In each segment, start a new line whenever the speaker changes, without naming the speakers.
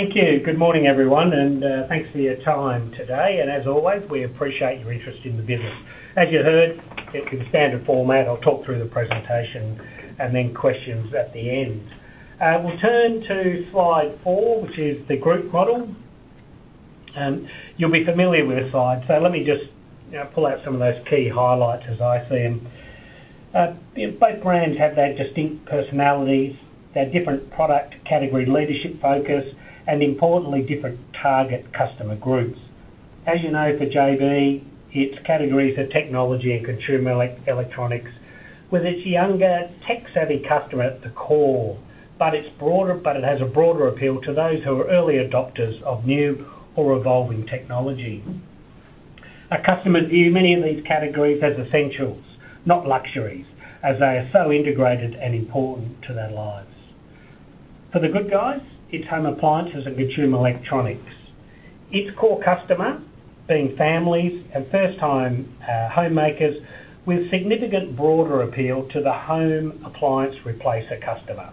Thank you. Good morning, everyone, and thanks for your time today. As always, we appreciate your interest in the business. As you heard, it's in the standard format. I'll talk through the presentation and then questions at the end. We'll turn to slide 4, which is the group model. You'll be familiar with the slides, so let me just pull out some of those key highlights as I see them. Both brands have their distinct personalities, their different product category leadership focus, and importantly, different target customer groups. As you know, for JB, its categories are technology and consumer electronics, where it's a younger, tech-savvy customer at the core, but it has a broader appeal to those who are early adopters of new or evolving technology. Our customers view many of these categories as essentials, not luxuries, as they are so integrated and important to their lives. For The Good Guys, it's home appliances and consumer electronics. Its core customer being families and first-time homemakers with significant broader appeal to the home appliance replacer customer.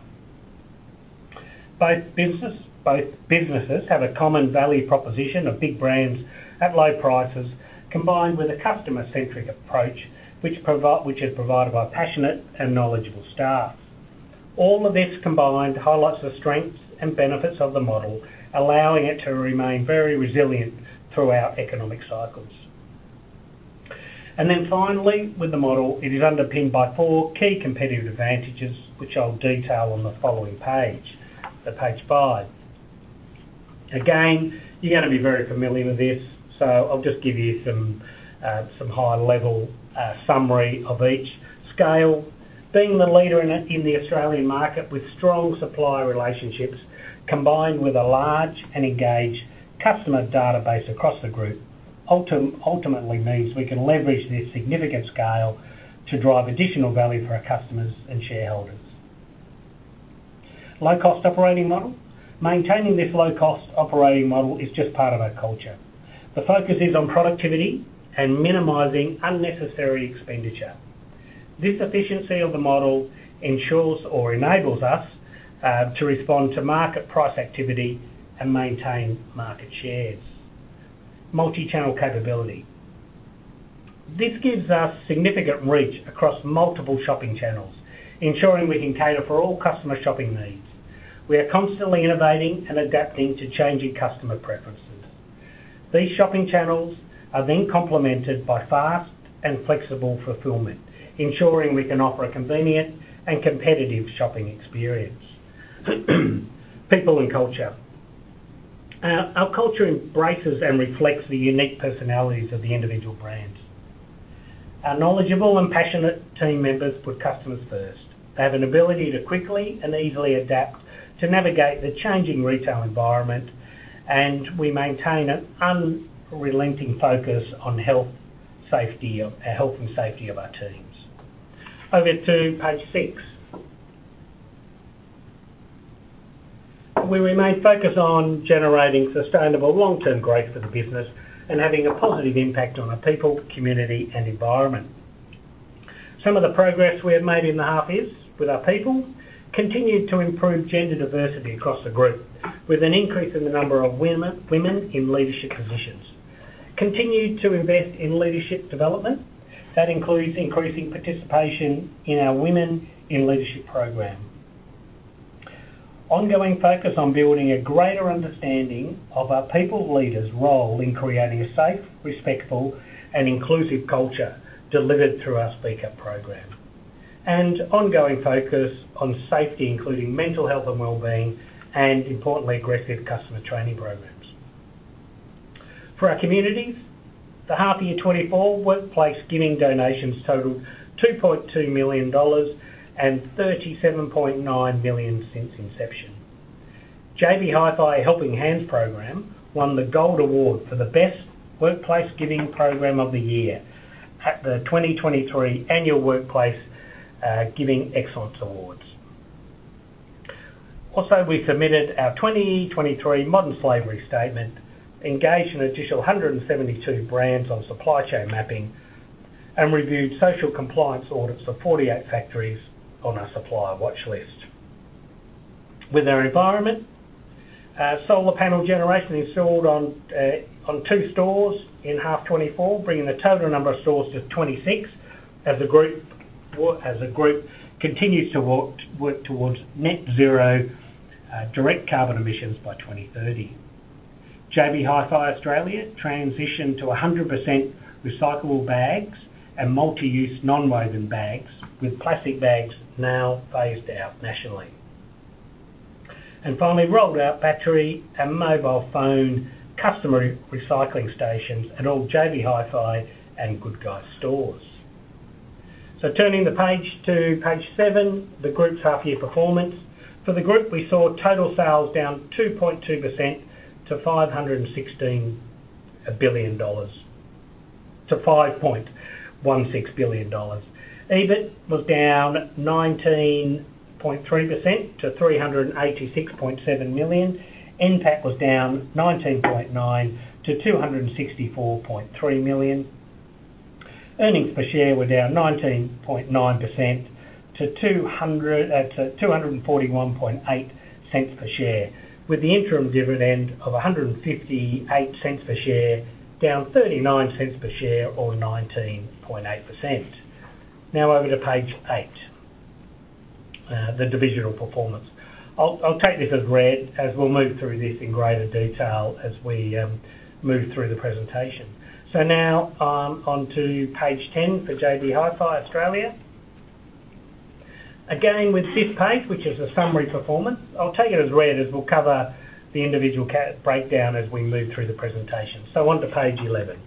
Both businesses have a common value proposition of big brands at low prices combined with a customer-centric approach which is provided by passionate and knowledgeable staff. All of this combined highlights the strengths and benefits of the model, allowing it to remain very resilient throughout economic cycles. Then finally, with the model, it is underpinned by four key competitive advantages which I'll detail on the following page, page 5. Again, you're going to be very familiar with this, so I'll just give you some high-level summary of each. Scale: being the leader in the Australian market with strong supply relationships combined with a large and engaged customer database across the group ultimately means we can leverage this significant scale to drive additional value for our customers and shareholders. Low-cost operating model: maintaining this low-cost operating model is just part of our culture. The focus is on productivity and minimizing unnecessary expenditure. This efficiency of the model ensures or enables us to respond to market price activity and maintain market shares. Multi-channel capability: this gives us significant reach across multiple shopping channels, ensuring we can cater for all customer shopping needs. We are constantly innovating and adapting to changing customer preferences. These shopping channels are then complemented by fast and flexible fulfillment, ensuring we can offer a convenient and competitive shopping experience. People and culture: our culture embraces and reflects the unique personalities of the individual brands. Our knowledgeable and passionate team members put customers first. They have an ability to quickly and easily adapt to navigate the changing retail environment, and we maintain an unrelenting focus on health and safety of our teams. Over to page 6. We remain focused on generating sustainable long-term growth for the business and having a positive impact on our people, community, and environment. Some of the progress we have made in the half year with our people: continued to improve gender diversity across the group with an increase in the number of women in leadership positions. Continued to invest in leadership development. That includes increasing participation in our women in leadership program. Ongoing focus on building a greater understanding of our people leaders' role in creating a safe, respectful, and inclusive culture delivered through our speaker program. Ongoing focus on safety, including mental health and well-being, and importantly, aggressive customer training programs. For our communities, the 1H 2024 workplace giving donations totaled 2.2 million dollars and 37.9 million since inception. JB Hi-Fi Helping Hands program won the Gold Award for the Best Workplace Giving Program of the Year at the 2023 Annual Workplace Giving Excellence Awards. Also, we submitted our 2023 Modern Slavery Statement, engaged an additional 172 brands on supply chain mapping, and reviewed social compliance audits of 48 factories on our supplier watchlist. With our environment: solar panel generation installed on two stores in 1H 2024, bringing the total number of stores to 26 as the group continues to work towards net-zero direct carbon emissions by 2030. JB Hi-Fi Australia transitioned to 100% recyclable bags and multi-use non-woven bags, with plastic bags now phased out nationally. Finally, rolled out battery and mobile phone customer recycling stations at all JB Hi-Fi and Good Guys stores. Turning to page 7, the group's half-year performance: for the group, we saw total sales down 2.2% to 5.16 billion dollars. EBIT was down 19.3% to 386.7 million. NPAT was down 19.9% to 264.3 million. Earnings per share were down 19.9% to 241.8 cents per share, with the interim dividend of 158 cents per share down 39 cents per share or 19.8%. Now over to page 8, the divisional performance. I'll take this as read as we'll move through this in greater detail as we move through the presentation. Now onto page 10 for JB Hi-Fi Australia. Again, with this page, which is a summary performance, I'll take it as read as we'll cover the individual breakdown as we move through the presentation. So onto page 11.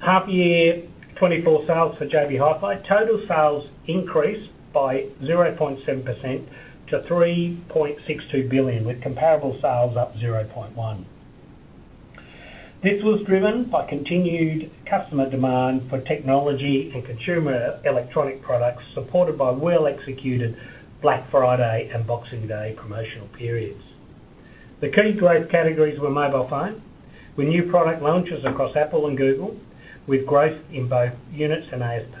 Half-year 2024 sales for JB Hi-Fi: total sales increased by 0.7% to 3.62 billion, with comparable sales up 0.1%. This was driven by continued customer demand for technology and consumer electronic products supported by well-executed Black Friday and Boxing Day promotional periods. The key growth categories were mobile phone with new product launches across Apple and Google, with growth in both units and ASP.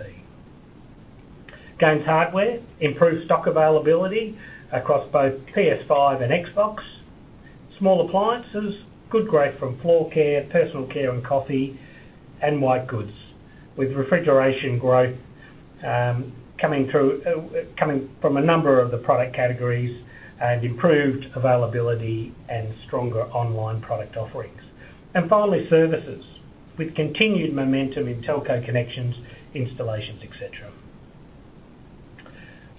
Games hardware: improved stock availability across both PS5 and Xbox. Small appliances: good growth from floor care, personal care, and coffee, and white goods, with refrigeration growth coming from a number of the product categories and improved availability and stronger online product offerings. And finally, services with continued momentum in telco connections, installations, etc.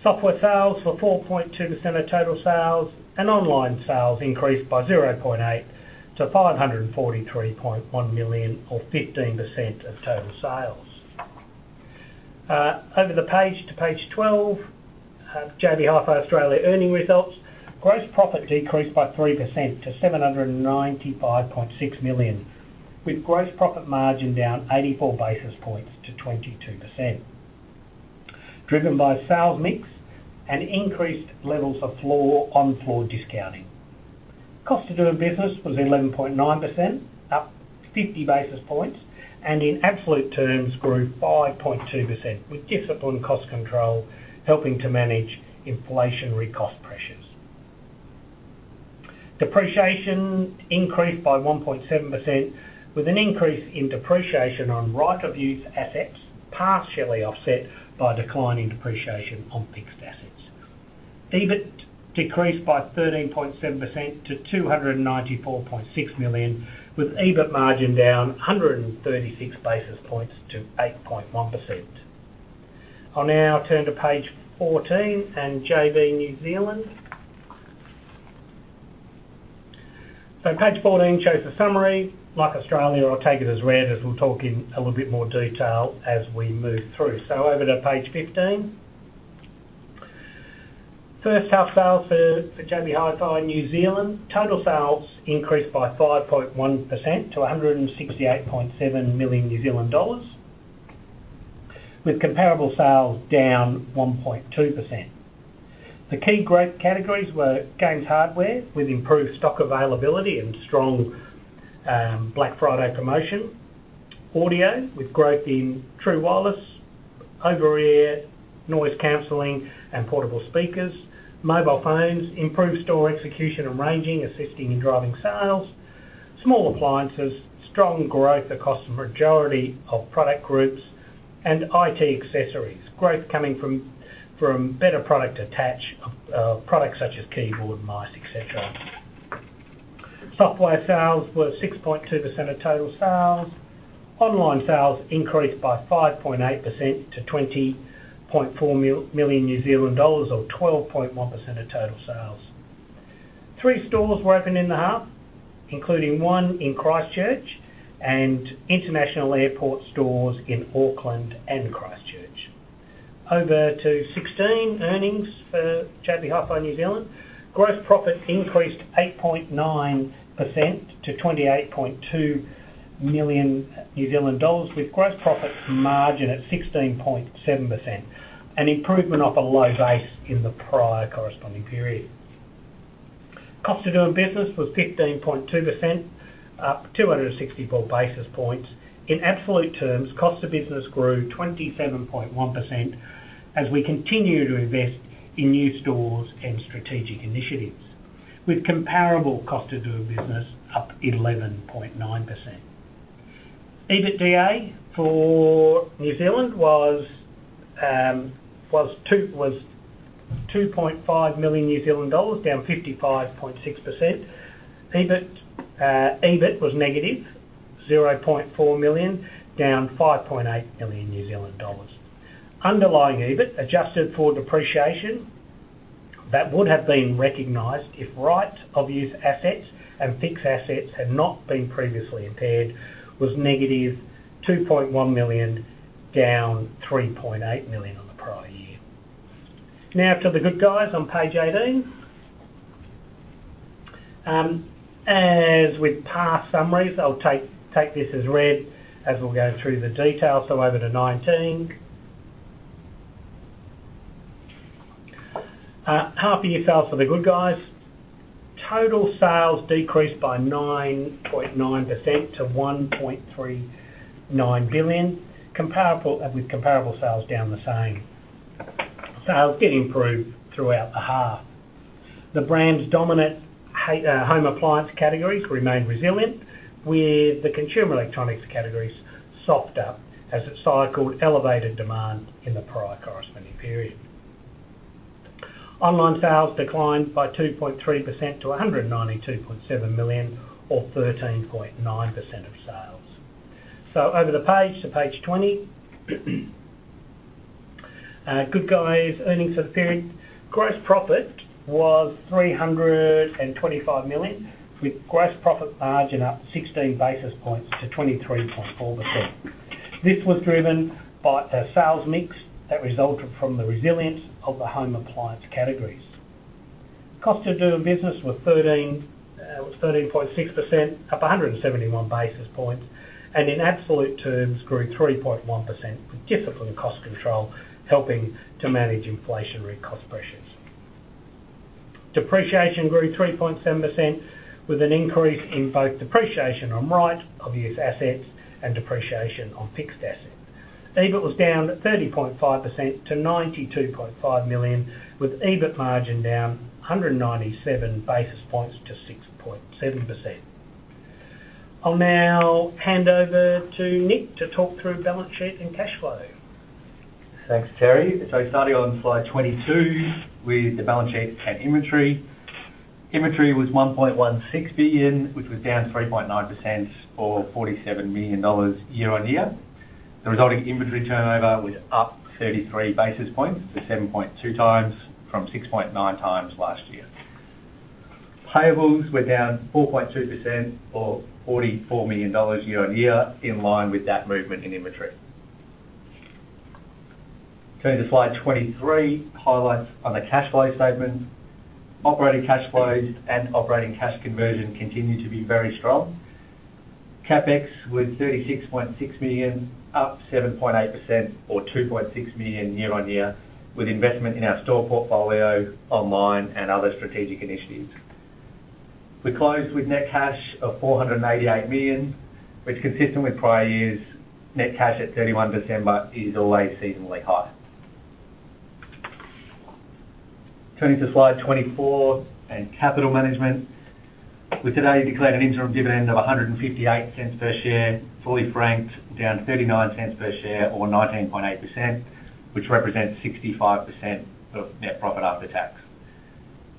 Software sales: 4.2% of total sales, and online sales increased by 0.8% to 543.1 million or 15% of total sales. Over to page 12, JB Hi-Fi Australia earnings results: gross profit decreased by 3% to 795.6 million, with gross profit margin down 84 basis points to 22%, driven by sales mix and increased levels of on-floor discounting. Cost of doing business was 11.9%, up 50 basis points, and in absolute terms grew 5.2%, with disciplined cost control helping to manage inflationary cost pressures. Depreciation increased by 1.7%, with an increase in depreciation on right-of-use assets partially offset by declining depreciation on fixed assets. EBIT decreased by 13.7% to 294.6 million, with EBIT margin down 136 basis points to 8.1%. I'll now turn to page 14 and JB New Zealand. So page 14 shows the summary. Like Australia, I'll take it as read as we'll talk in a little bit more detail as we move through. So over to page 15. First-half sales for JB Hi-Fi New Zealand: total sales increased by 5.1% to 168.7 million New Zealand dollars, with comparable sales down 1.2%. The key growth categories were games hardware, with improved stock availability and strong Black Friday promotion. Audio, with growth in true wireless, over-ear, noise cancelling, and portable speakers. Mobile phones: improved store execution and ranging, assisting in driving sales. Small appliances: strong growth across the majority of product groups. And IT accessories: growth coming from better product attachment products such as keyboard, mice, etc. Software sales: 6.2% of total sales. Online sales increased by 5.8% to 20.4 million New Zealand dollars or 12.1% of total sales. Three stores were open in the half, including one in Christchurch and international airport stores in Auckland and Christchurch. Over to 16, earnings for JB Hi-Fi New Zealand: gross profit increased 8.9% to 28.2 million New Zealand dollars, with gross profit margin at 16.7%, an improvement off a low base in the prior corresponding period. Cost to do business was 15.2%, up 264 basis points. In absolute terms, cost to business grew 27.1% as we continue to invest in new stores and strategic initiatives, with comparable cost to do business up 11.9%. EBITDA for New Zealand was 2.5 million New Zealand dollars, down 55.6%. EBIT was negative, 0.4 million, down 5.8 million New Zealand dollars. Underlying EBIT adjusted for depreciation that would have been recognized if right-of-use assets and fixed assets had not been previously impaired was negative, 2.1 million, down 3.8 million on the prior year. Now to The Good Guys on page 18. As with past summaries, I'll take this as read as we'll go through the detail. So over to 19. Half-year sales for The Good Guys: total sales decreased by 9.9% to 1.39 billion, with comparable sales down the same. Sales did improve throughout the half. The brand's dominant home appliance categories remained resilient, with the consumer electronics categories softened as it cycled elevated demand in the prior corresponding period. Online sales declined by 2.3% to 192.7 million or 13.9% of sales. So over to page 20. The Good Guys earnings for the period: gross profit was 325 million, with gross profit margin up 16 basis points to 23.4%. This was driven by a sales mix that resulted from the resilience of the home appliance categories. Cost of doing business was 13.6%, up 171 basis points, and in absolute terms grew 3.1%, with disciplined cost control helping to manage inflationary cost pressures. Depreciation grew 3.7%, with an increase in both depreciation on right-of-use assets and depreciation on fixed assets. EBIT was down 30.5% to 92.5 million, with EBIT margin down 197 basis points to 6.7%. I'll now hand over to Nick to talk through balance sheet and cash flow.
Thanks, Terry. Starting on slide 22 with the balance sheet and inventory. Inventory was 1.16 billion, which was down 3.9% or 47 million dollars year-over-year. The resulting inventory turnover was up 33 basis points, the 7.2 times from 6.9 times last year. Payables were down 4.2% or 44 million dollars year-over-year in line with that movement in inventory. Turning to slide 23, highlights on the cash flow statement: operating cash flows and operating cash conversion continue to be very strong. CapEx was 36.6 million, up 7.8% or 2.6 million year-over-year with investment in our store portfolio, online, and other strategic initiatives. We closed with net cash of 488 million, which is consistent with prior years. Net cash at 31 December is always seasonally high. Turning to slide 24 and capital management: we today declared an interim dividend of 1.58 per share, fully franked, down 0.39 per share or 19.8%, which represents 65% of net profit after tax.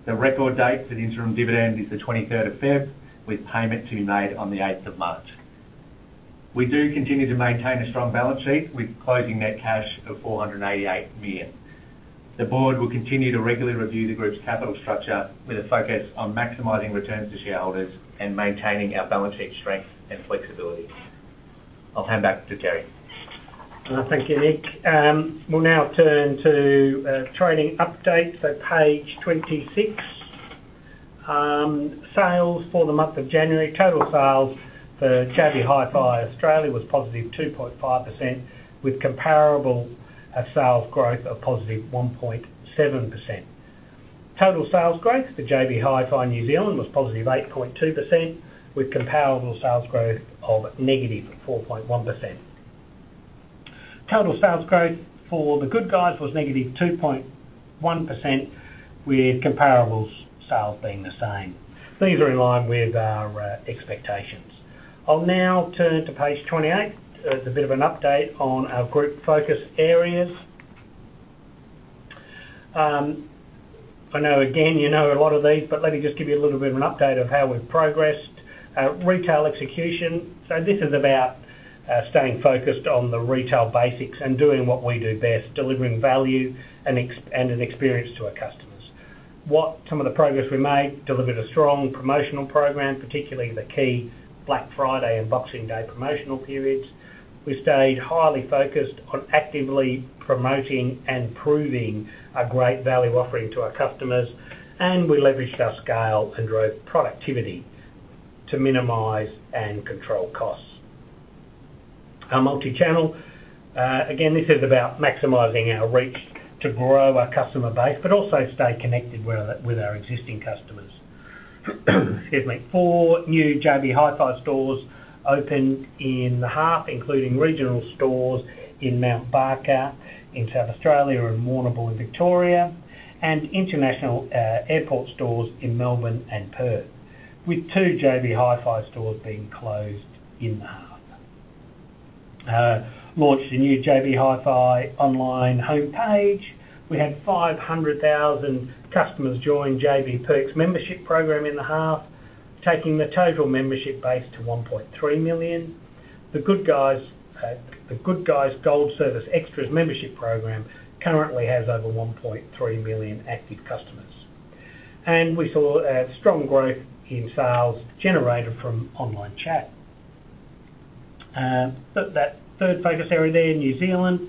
The record date for the interim dividend is the 23rd of February, with payment to be made on the 8th of March. We do continue to maintain a strong balance sheet, with closing net cash of 488 million. The board will continue to regularly review the group's capital structure with a focus on maximizing returns to shareholders and maintaining our balance sheet strength and flexibility. I'll hand back to Terry.
Thank you, Nick. We'll now turn to trading update. Page 26. Sales for the month of January: total sales for JB Hi-Fi Australia was +2.5%, with comparable sales growth of +1.7%. Total sales growth for JB Hi-Fi New Zealand was +8.2%, with comparable sales growth of -4.1%. Total sales growth for The Good Guys was -2.1%, with comparable sales being the same. These are in line with our expectations. I'll now turn to page 28 as a bit of an update on our group focus areas. I know, again, you know a lot of these, but let me just give you a little bit of an update of how we've progressed. Retail execution: so this is about staying focused on the retail basics and doing what we do best, delivering value and an experience to our customers. Some of the progress we made: delivered a strong promotional program, particularly the key Black Friday and Boxing Day promotional periods. We stayed highly focused on actively promoting and proving a great value offering to our customers, and we leveraged our scale and drove productivity to minimize and control costs. Multichannel: again, this is about maximizing our reach to grow our customer base, but also stay connected with our existing customers. Excuse me. Four new JB Hi-Fi stores opened in the half, including regional stores in Mount Barker in South Australia and Warrnambool in Victoria, and international airport stores in Melbourne and Perth, with two JB Hi-Fi stores being closed in the half. Launched a new JB Hi-Fi online homepage. We had 500,000 customers join JB Perks membership program in the half, taking the total membership base to 1.3 million. The Good Guys Gold Service Extras membership program currently has over 1.3 million active customers. We saw strong growth in sales generated from online chat. That third focus area there, New Zealand: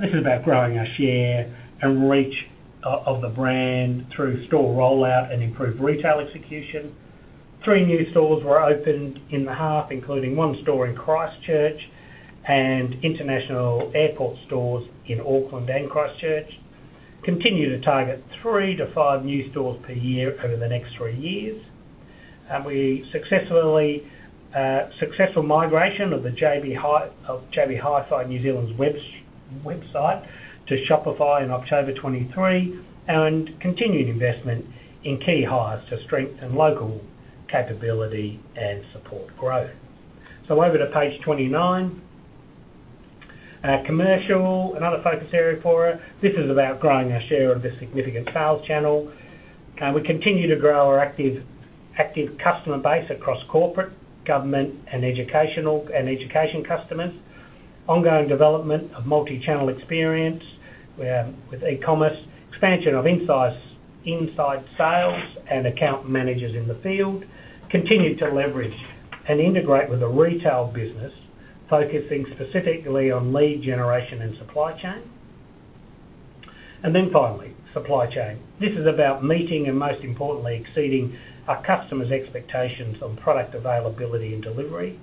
this is about growing our share and reach of the brand through store rollout and improved retail execution. Three new stores were opened in the half, including one store in Christchurch and international airport stores in Auckland and Christchurch. Continue to target three to five new stores per year over the next three years. Successful migration of the JB Hi-Fi New Zealand's website to Shopify in October 2023 and continuing investment in key hires to strengthen local capability and support growth. Over to page 29. Commercial: another focus area for us. This is about growing our share of the significant sales channel. We continue to grow our active customer base across corporate, government, and education customers. Ongoing development of multichannel experience with e-commerce. Expansion of inside sales and account managers in the field. Continue to leverage and integrate with a retail business focusing specifically on lead generation and supply chain. And then finally, supply chain. This is about meeting and, most importantly, exceeding our customers' expectations on product availability and delivery.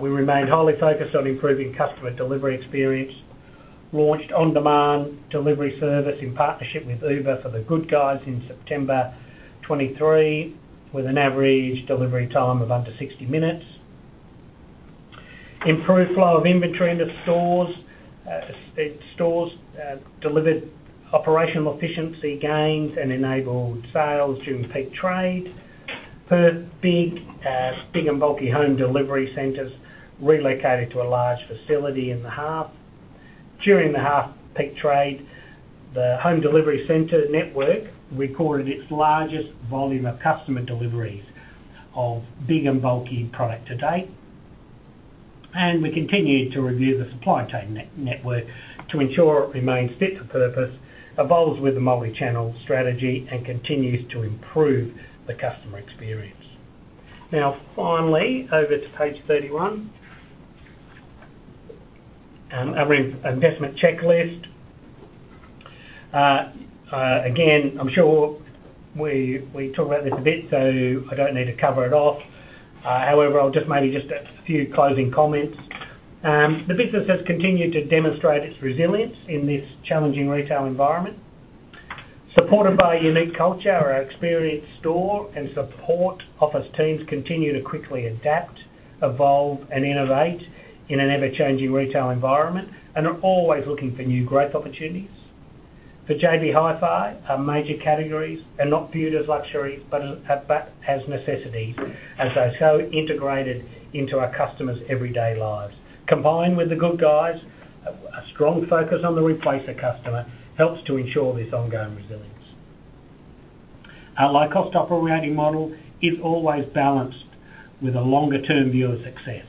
We remained highly focused on improving customer delivery experience. Launched on-demand delivery service in partnership with Uber for The Good Guys in September 2023, with an average delivery time of under 60 minutes. Improved flow of inventory into stores. Stores delivered operational efficiency gains and enabled sales during peak trade. Perth Big and Bulky Home Delivery Centres relocated to a large facility in the half. During the half peak trade, the Home Delivery Centre network recorded its largest volume of customer deliveries of big and bulky product to date. We continued to review the supply chain network to ensure it remains fit for purpose, evolves with the multichannel strategy, and continues to improve the customer experience. Now finally, over to page 31. Our investment checklist. Again, I'm sure we talked about this a bit, so I don't need to cover it off. However, maybe just a few closing comments. The business has continued to demonstrate its resilience in this challenging retail environment. Supported by a unique culture, our experienced store and support office teams continue to quickly adapt, evolve, and innovate in an ever-changing retail environment and are always looking for new growth opportunities. For JB Hi-Fi, our major categories are not viewed as luxuries but as necessities, as they're so integrated into our customers' everyday lives. Combined with The Good Guys, a strong focus on the replacer customer helps to ensure this ongoing resilience. Our low-cost operating model is always balanced with a longer-term view of success,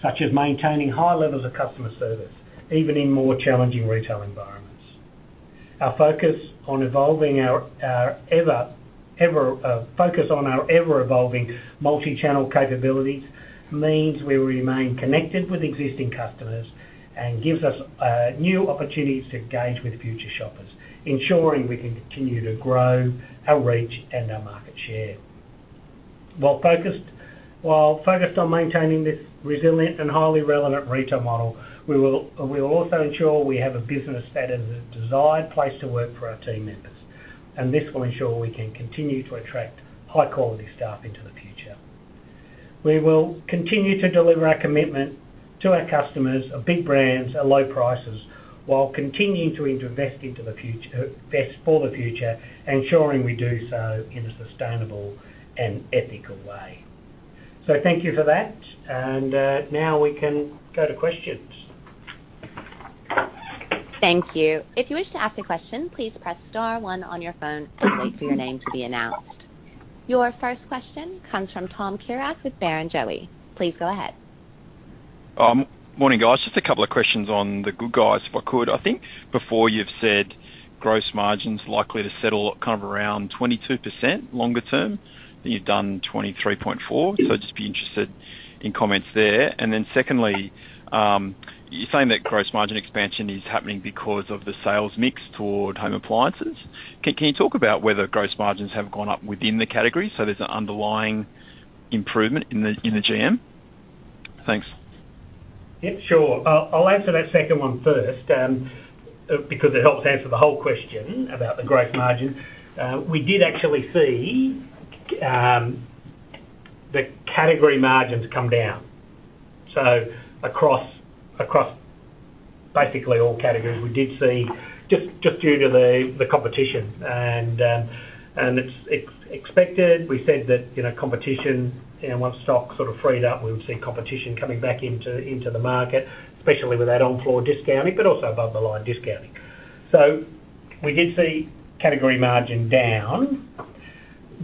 such as maintaining high levels of customer service even in more challenging retail environments. Our focus on evolving our ever-evolving multichannel capabilities means we remain connected with existing customers and gives us new opportunities to engage with future shoppers, ensuring we can continue to grow our reach and our market share. While focused on maintaining this resilient and highly relevant retail model, we will also ensure we have a business that is a desired place to work for our team members, and this will ensure we can continue to attract high-quality staff into the future. We will continue to deliver our commitment to our customers, our big brands, at low prices while continuing to invest for the future, ensuring we do so in a sustainable and ethical way. Thank you for that. Now we can go to questions.
Thank you. If you wish to ask a question, please press star one on your phone and wait for your name to be announced. Your first question comes from Tom Kierath with Barrenjoey. Please go ahead.
Morning, guys. Just a couple of questions on The Good Guys, if I could. I think before you've said gross margins likely to settle kind of around 22% longer term, then you've done 23.4%. So just be interested in comments there. And then secondly, you're saying that gross margin expansion is happening because of the sales mix toward home appliances. Can you talk about whether gross margins have gone up within the categories? So there's an underlying improvement in the GM? Thanks.
Yeah, sure. I'll answer that second one first because it helps answer the whole question about the gross margin. We did actually see the category margins come down. So across basically all categories, we did see just due to the competition. And it's expected. We said that competition, once stocks sort of freed up, we would see competition coming back into the market, especially with that on-floor discounting, but also above-the-line discounting. So we did see category margin down.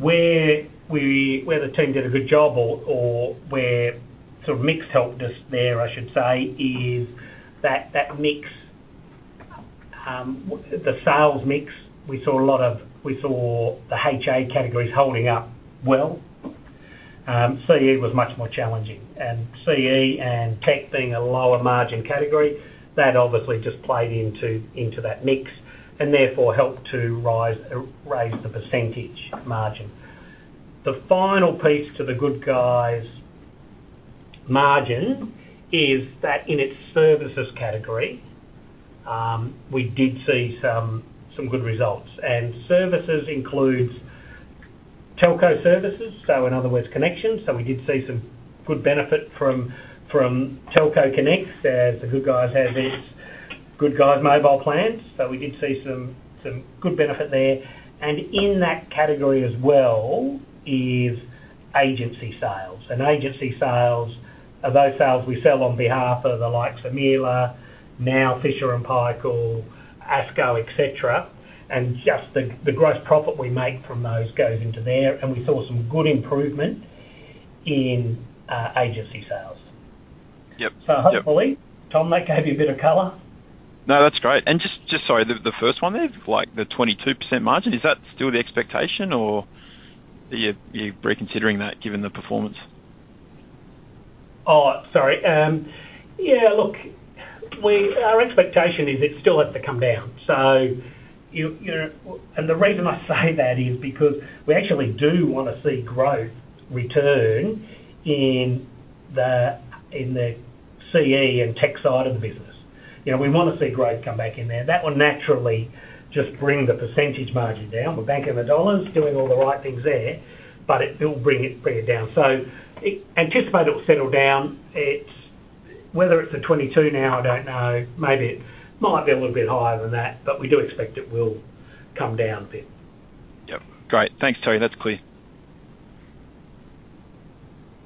Where the team did a good job or where sort of mix helped us there, I should say, is that mix, the sales mix, we saw a lot of the HA categories holding up well. CE was much more challenging. And CE and tech being a lower margin category, that obviously just played into that mix and therefore helped to raise the percentage margin. The final piece to The Good Guys margin is that in its services category, we did see some good results. And services includes telco services, so in other words, connections. So we did see some good benefit from telco connections as The Good Guys has its The Good Guys Mobile plans. So we did see some good benefit there. And in that category as well is agency sales. And agency sales, those sales we sell on behalf of the likes of Miele, now Fisher & Paykel, ASKO, etc. And just the gross profit we make from those goes into there. And we saw some good improvement in agency sales. So hopefully, Tom, that gave you a bit of color.
No, that's great. And just sorry, the first one there, the 22% margin, is that still the expectation, or are you reconsidering that given the performance?
Oh, sorry. Yeah, look, our expectation is it still has to come down. And the reason I say that is because we actually do want to see growth return in the CE and tech side of the business. We want to see growth come back in there. That will naturally just bring the percentage margin down. We're banking the dollars, doing all the right things there, but it will bring it down. So anticipate it will settle down. Whether it's 22% now, I don't know. It might be a little bit higher than that, but we do expect it will come down a bit.
Yep. Great. Thanks, Terry. That's clear.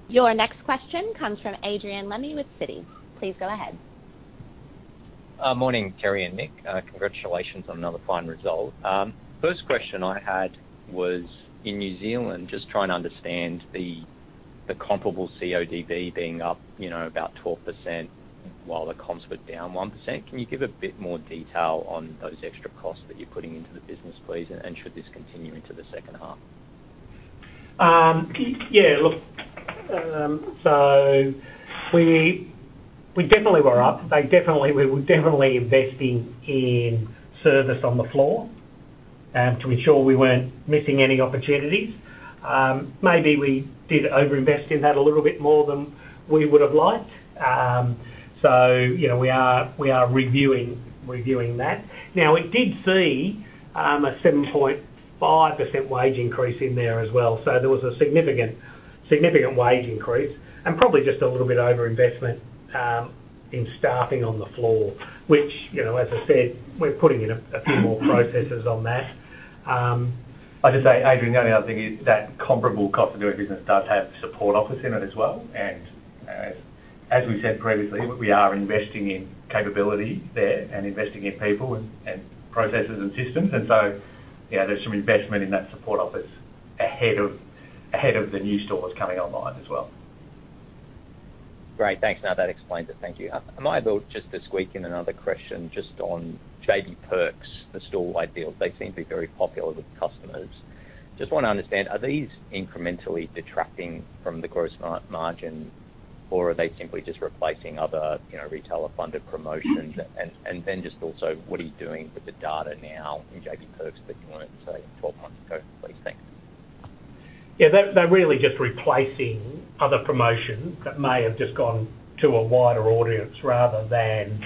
Your next question comes from Adrian Lemme with Citi. Please go ahead.
Morning, Terry and Nick. Congratulations on another fine result. First question I had was in New Zealand, just trying to understand the comparable CODB being up about 12% while the comps were down 1%. Can you give a bit more detail on those extra costs that you're putting into the business, please? And should this continue into the second half?
Yeah, look, so we definitely were up. We were definitely investing in service on the floor to ensure we weren't missing any opportunities. Maybe we did overinvest in that a little bit more than we would have liked. So we are reviewing that. Now, we did see a 7.5% wage increase in there as well. So there was a significant wage increase and probably just a little bit overinvestment in staffing on the floor, which, as I said, we're putting in a few more processes on that.
I should say, Adrian, the only other thing is that comparable cost of doing business does have support office in it as well. And as we've said previously, we are investing in capability there and investing in people and processes and systems. And so there's some investment in that support office ahead of the new stores coming online as well.
Great. Thanks. Now that explains it. Thank you. Am I able just to squeak in another question just on JB Perks, the store-wide deals? They seem to be very popular with customers. Just want to understand, are these incrementally detracting from the gross margin, or are they simply just replacing other retailer-funded promotions? And then just also, what are you doing with the data now in JB Perks that you weren't, say, 12 months ago? Please think.
Yeah, they're really just replacing other promotions that may have just gone to a wider audience rather than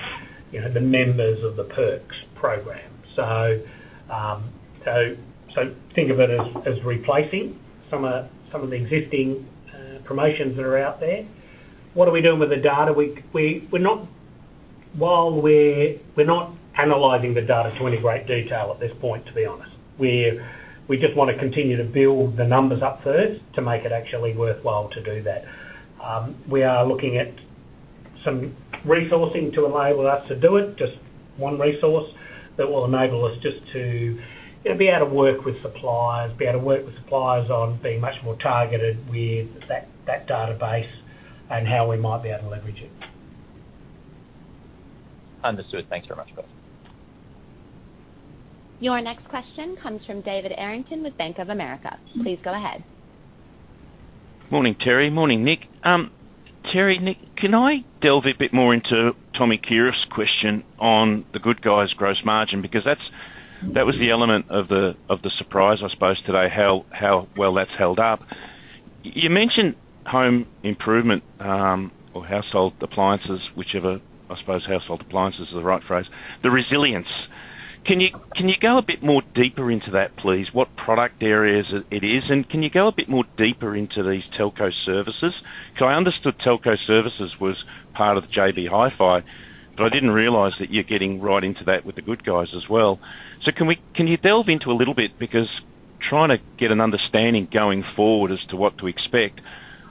the members of the Perks program. So think of it as replacing some of the existing promotions that are out there. What are we doing with the data? While we're not analyzing the data to any great detail at this point, to be honest, we just want to continue to build the numbers up first to make it actually worthwhile to do that. We are looking at some resourcing to enable us to do it, just one resource that will enable us just to be able to work with suppliers, be able to work with suppliers on being much more targeted with that database and how we might be able to leverage it.
Understood. Thanks very much, guys.
Your next question comes from David Errington with Bank of America. Please go ahead.
Morning, Terry. Morning, Nick. Terry, Nick, can I delve a bit more into Tom Kierath's question on The Good Guys gross margin? Because that was the element of the surprise, I suppose, today, how well that's held up. You mentioned home improvement or household appliances, whichever, I suppose household appliances is the right phrase, the resilience. Can you go a bit more deeper into that, please? What product areas it is? And can you go a bit more deeper into these telco services? Because I understood telco services was part of the JB Hi-Fi, but I didn't realise that you're getting right into that with The Good Guys as well. So can you delve into a little bit? Because trying to get an understanding going forward as to what to expect,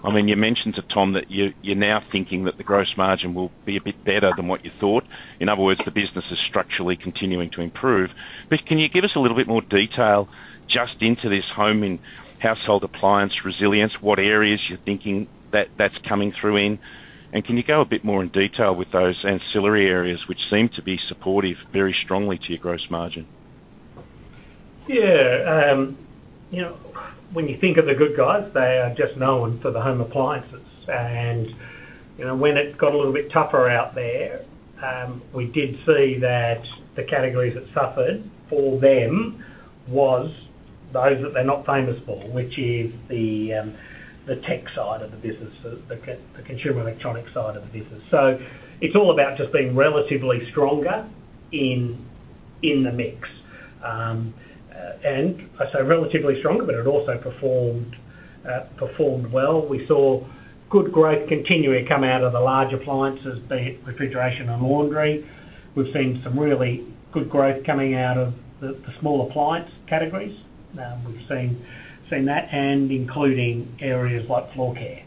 I mean, you mentioned to Tom that you're now thinking that the gross margin will be a bit better than what you thought. In other words, the business is structurally continuing to improve. But can you give us a little bit more detail just into this home and household appliance resilience? What areas you're thinking that's coming through in? And can you go a bit more in detail with those ancillary areas, which seem to be supportive very strongly to your gross margin?
Yeah. When you think of The Good Guys, they are just known for the home appliances. And when it got a little bit tougher out there, we did see that the categories that suffered for them was those that they're not famous for, which is the tech side of the business, the consumer electronics side of the business. So it's all about just being relatively stronger in the mix. And I say relatively stronger, but it also performed well. We saw good growth continue to come out of the large appliances, be it refrigeration and laundry. We've seen some really good growth coming out of the small appliance categories. We've seen that. And including areas like floor care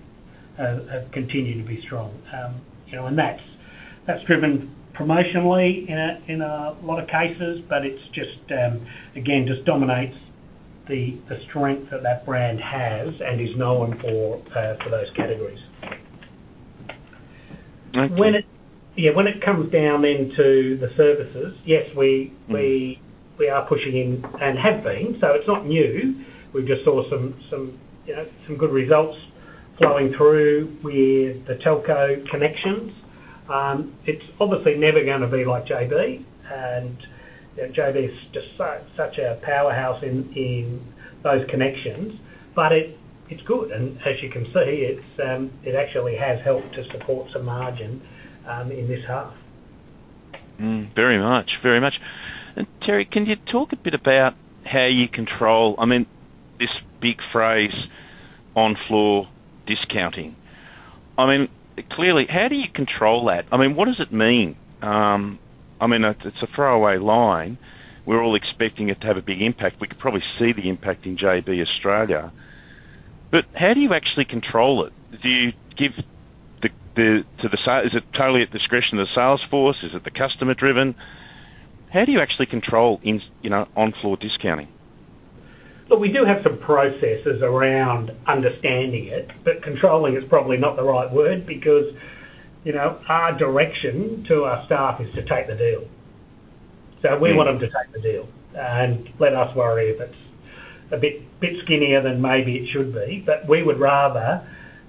have continued to be strong. And that's driven promotionally in a lot of cases, but it, again, just dominates the strength that that brand has and is known for those categories.
Thanks.
Yeah, when it comes down into the services, yes, we are pushing in and have been. So it's not new. We just saw some good results flowing through with the telco connections. It's obviously never going to be like JB. And JB is just such a powerhouse in those connections. But it's good. And as you can see, it actually has helped to support some margin in this half.
Very much. Very much. And Terry, can you talk a bit about how you control, I mean, this big phrase on-floor discounting? I mean, clearly, how do you control that? I mean, what does it mean? I mean, it's a throwaway line. We're all expecting it to have a big impact. We could probably see the impact in JB Australia. But how do you actually control it? Do you give to the, is it totally at the discretion of the salesforce? Is it the customer-driven? How do you actually control on-floor discounting?
Look, we do have some processes around understanding it, but controlling is probably not the right word because our direction to our staff is to take the deal. So we want them to take the deal and let us worry if it's a bit skinnier than maybe it should be. But we would rather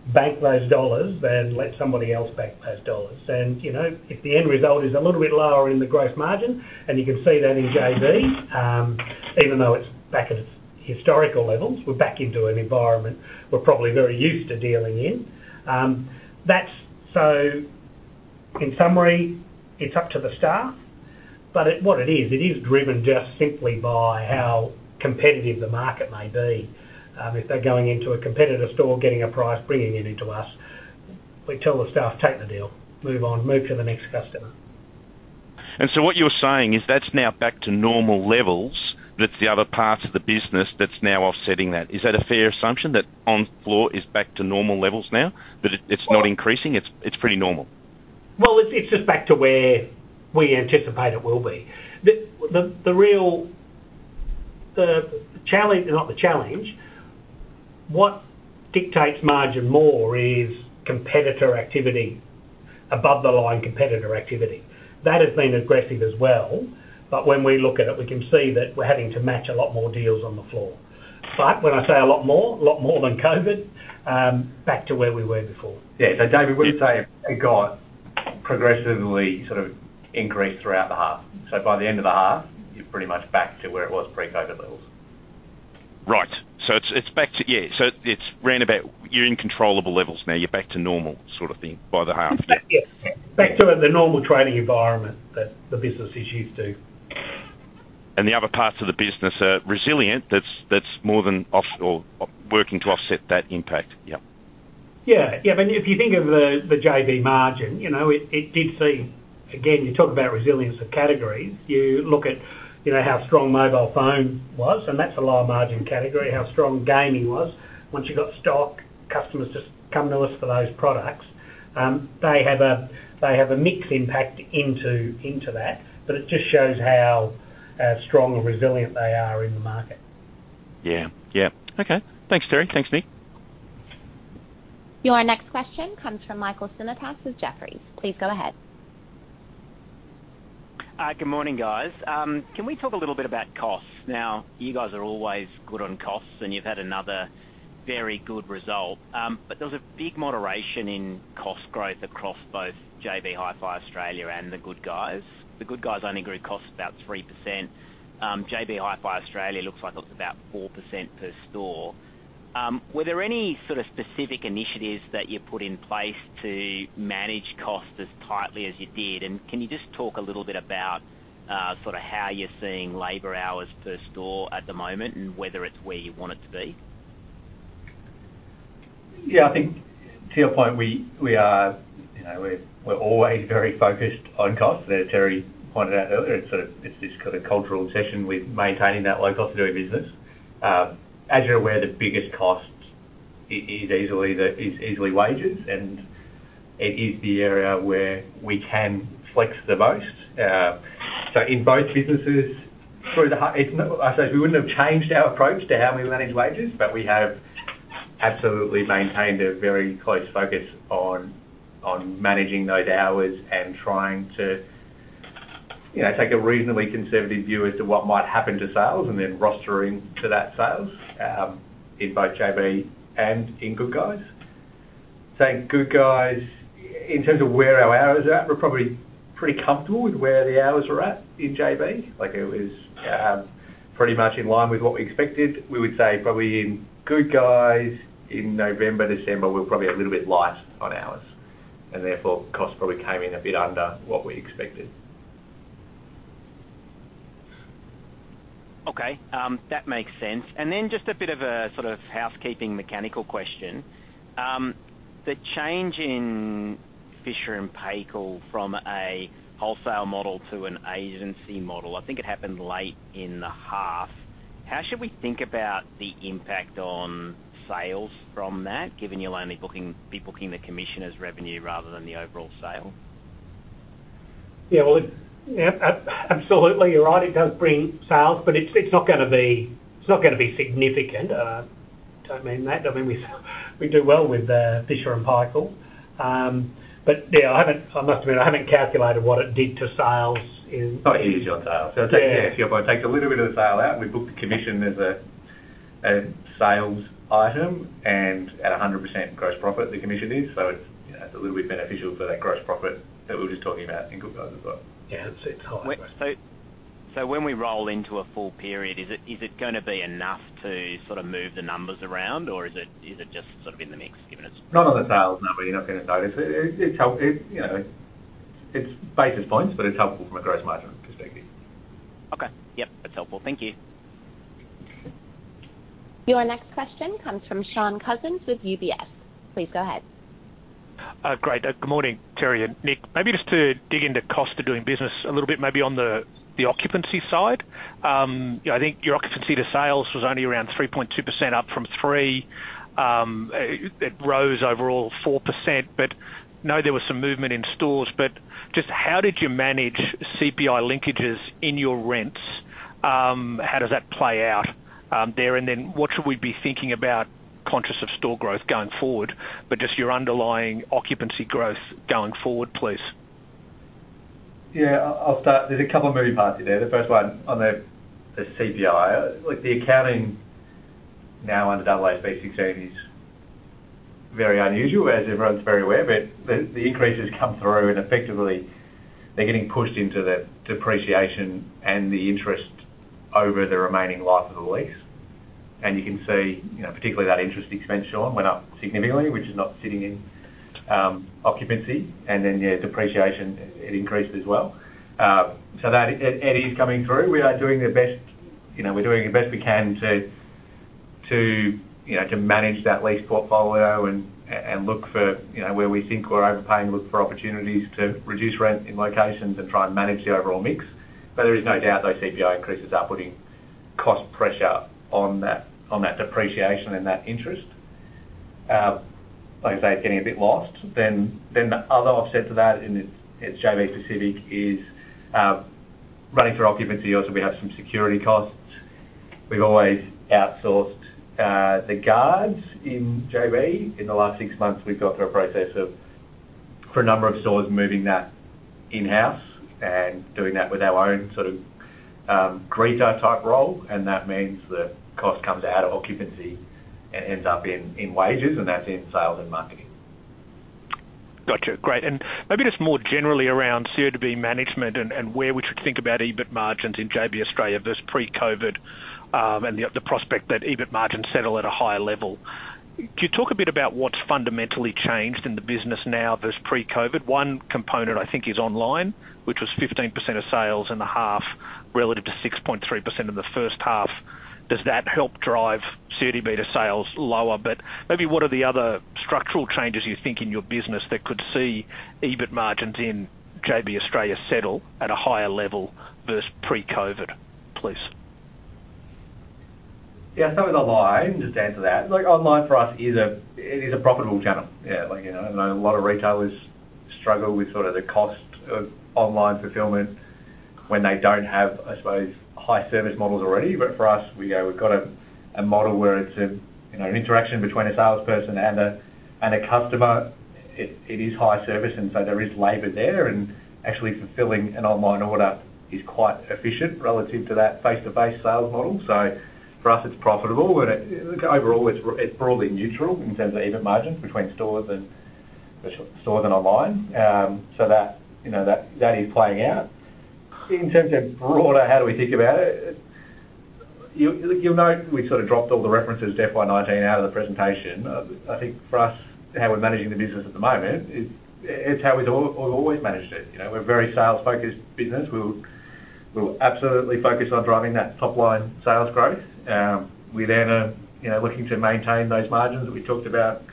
bank those dollars than let somebody else bank those dollars. And if the end result is a little bit lower in the gross margin, and you can see that in JB, even though it's back at its historical levels, we're back into an environment we're probably very used to dealing in. So in summary, it's up to the staff. But what it is, it is driven just simply by how competitive the market may be. If they're going into a competitor store, getting a price, bringing it into us, we tell the staff, "Take the deal. Move on. Move to the next customer."
So what you're saying is that's now back to normal levels. That's the other parts of the business that's now offsetting that. Is that a fair assumption that on-floor is back to normal levels now, that it's not increasing? It's pretty normal.
Well, it's just back to where we anticipate it will be. The real challenge, not the challenge. What dictates margin more is competitor activity, above-the-line competitor activity. That has been aggressive as well. But when we look at it, we can see that we're having to match a lot more deals on the floor. But when I say a lot more, a lot more than COVID, back to where we were before.
Yeah. So David, we're saying it's progressively sort of increased throughout the half. So by the end of the half, you're pretty much back to where it was pre-COVID levels.
Right. So it's back to, yeah. So it's round about, you're in controllable levels now. You're back to normal sort of thing by the half.
Yes. Back to the normal trading environment that the business is used to.
The other parts of the business are resilient. That's more than working to offset that impact. Yep.
Yeah. Yeah. I mean, if you think of the JB margin, it did see again, you talk about resilience of categories. You look at how strong mobile phone was, and that's a lower margin category, how strong gaming was. Once you got stock, customers just come to us for those products. They have a mixed impact into that, but it just shows how strong and resilient they are in the market.
Yeah. Yeah. Okay. Thanks, Terry. Thanks, Nick.
Your next question comes from Michael Simotas with Jefferies. Please go ahead.
Good morning, guys. Can we talk a little bit about costs? Now, you guys are always good on costs, and you've had another very good result. But there's a big moderation in cost growth across both JB Hi-Fi Australia and The Good Guys. The Good Guys only grew costs about 3%. JB Hi-Fi Australia looks like it was about 4% per store. Were there any sort of specific initiatives that you put in place to manage costs as tightly as you did? And can you just talk a little bit about sort of how you're seeing labor hours per store at the moment and whether it's where you want it to be?
Yeah. I think to your point, we are always very focused on cost. As Terry pointed out earlier, it's this sort of cultural obsession with maintaining that low cost of doing business. As you're aware, the biggest cost is easily wages, and it is the area where we can flex the most. So in both businesses, through, I suppose, we wouldn't have changed our approach to how we manage wages, but we have absolutely maintained a very close focus on managing those hours and trying to take a reasonably conservative view as to what might happen to sales and then rostering to that sales in both JB and in Good Guys. So in terms of where our hours are at, we're probably pretty comfortable with where the hours were at in JB. It was pretty much in line with what we expected. We would say probably in Good Guys, in November, December, we were probably a little bit lighter on hours. And therefore, costs probably came in a bit under what we expected.
Okay. That makes sense. And then just a bit of a sort of housekeeping mechanical question. The change in Fisher & Paykel from a wholesale model to an agency model, I think it happened late in the half. How should we think about the impact on sales from that, given you'll only be booking the commission as revenue rather than the overall sale?
Yeah. Well, absolutely. You're right. It does bring sales, but it's not going to be significant. I don't mean that. I mean, we do well with Fisher & Paykel. But yeah, I must admit, I haven't calculated what it did to sales in.
Oh, it's usually on sales. Yeah. If you're able to take a little bit of the sale out and we book the commission as a sales item and at 100% gross profit, the commission is. So it's a little bit beneficial for that gross profit that we were just talking about in Good Guys as well.
Yeah. It's high.
So when we roll into a full period, is it going to be enough to sort of move the numbers around, or is it just sort of in the mix, given it's?
Not on the sales number. You're not going to notice it. It's basis points, but it's helpful from a gross margin perspective.
Okay. Yep. That's helpful. Thank you.
Your next question comes from Shaun Cousins with UBS. Please go ahead.
Great. Good morning, Terry. And Nick, maybe just to dig into cost of doing business a little bit, maybe on the occupancy side. I think your occupancy to sales was only around 3.2% up from 3%. It rose overall 4%. But I know there was some movement in stores. But just how did you manage CPI linkages in your rents? How does that play out there? And then what should we be thinking about, conscious of store growth going forward, but just your underlying occupancy growth going forward, please?
Yeah. There's a couple of moving parts here. The first one on the CPI. The accounting now under AASB 16 is very unusual, as everyone's very aware. But the increases come through, and effectively, they're getting pushed into the depreciation and the interest over the remaining life of the lease. And you can see, particularly that interest expense, Shaun, went up significantly, which is not sitting in occupancy. And then yeah, depreciation, it increased as well. So it is coming through. We are doing the best we can to manage that lease portfolio and look for where we think we're overpaying, look for opportunities to reduce rent in locations and try and manage the overall mix. But there is no doubt those CPI increases are putting cost pressure on that depreciation and that interest. Like I say, it's getting a bit lost. Then the other offset to that, and it's JB specific, is running through occupancy. Also, we have some security costs. We've always outsourced the guards in JB. In the last six months, we've gone through a process of, for a number of stores, moving that in-house and doing that with our own sort of greeter-type role. And that means the cost comes out of occupancy and ends up in wages, and that's in sales and marketing.
Gotcha. Great. And maybe just more generally around CODB management and where we should think about EBIT margins in JB Australia versus pre-COVID and the prospect that EBIT margins settle at a higher level. Could you talk a bit about what's fundamentally changed in the business now versus pre-COVID? One component, I think, is online, which was 15% of sales in the half relative to 6.3% in the first half. Does that help drive CODB to sales lower? But maybe what are the other structural changes you think in your business that could see EBIT margins in JB Australia settle at a higher level versus pre-COVID, please?
Yeah. I suppose online, just to answer that, online for us, it is a profitable channel. Yeah. I know a lot of retailers struggle with sort of the cost of online fulfillment when they don't have, I suppose, high-service models already. But for us, we go, "We've got a model where it's an interaction between a salesperson and a customer." It is high service. And so there is labor there. And actually, fulfilling an online order is quite efficient relative to that face-to-face sales model. So for us, it's profitable. And overall, it's broadly neutral in terms of EBIT margins between stores and online. So that is playing out. In terms of broader, how do we think about it? You'll note we sort of dropped all the references to FY 2019 out of the presentation. I think for us, how we're managing the business at the moment, it's how we've always managed it. We're a very sales-focused business. We'll absolutely focus on driving that top-line sales growth. We're then looking to maintain those margins that we talked about